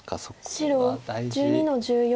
白１２の十四。